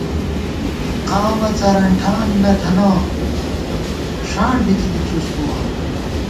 قامہ څرَنٹھان نہ تھنہ ، ݭاڑ بِکِنی څُس بُوَہ